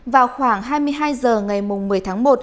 vào khoảng hai mươi hai h ngày một mươi tháng một